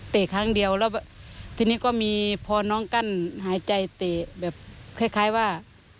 ครั้งเดียวแล้วทีนี้ก็มีพอน้องกั้นหายใจเตะแบบคล้ายว่า